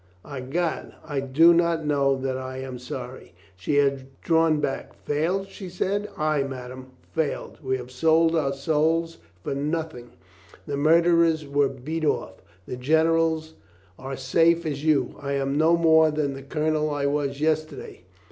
"I'gad, I do not know that I am sorry." She had drawn back. "Failed!" she said. "Ay, madame, failed. We have sold our souls 404 LUCINDA IS LOGICAL 405 for nothing. The murderers were beat off. The generals are safe as you. I am no more than the colonel I was yesterday.